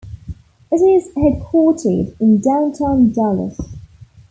It is headquartered in Downtown Dallas.